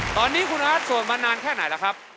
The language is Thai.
ตอนนี้อาร์ดสวดมานานแค่ไหนละครับ